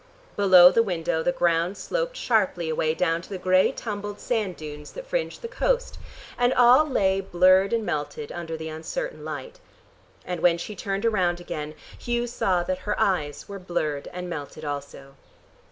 Below the window the ground sloped sharply away down to the gray tumbled sand dunes that fringed the coast, and all lay blurred and melted under the uncertain light. And when she turned round again Hugh saw that her eyes were blurred and melted also.